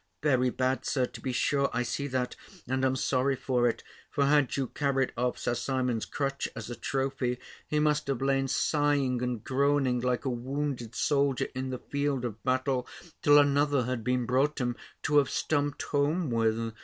"Very bad, Sir, to be sure: I see that, and am sorry for it: for had you carried off Sir Simon's crutch, as a trophy, he must have lain sighing and groaning like a wounded soldier in the field of battle, till another had been brought him, to have stumped home with."